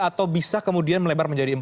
atau bisa kemudian melebar menjadi empat